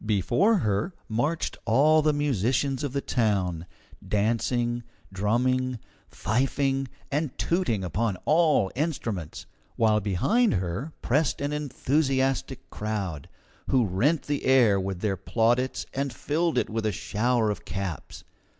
Before her marched all the musicians of the town, dancing, drumming, fifing, and tooting upon all instruments, while behind her pressed an enthusiastic crowd, who rent the air with their plaudits and filled it with a shower of caps.